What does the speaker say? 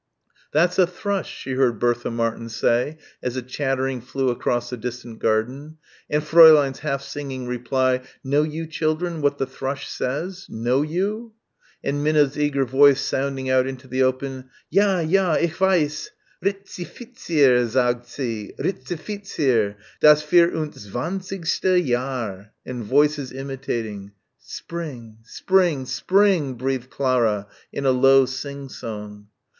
"That's a thrush," she heard Bertha Martin say as a chattering flew across a distant garden and Fräulein's half singing reply, "Know you, children, what the thrush says? Know you?" and Minna's eager voice sounding out into the open, "D'ja, d'ja, ich weiss Ritzifizier, sagt sie, Ritzifizier, das vierundzwanzigste Jahr!" and voices imitating. "Spring! Spring! Spring!" breathed Clara, in a low sing song.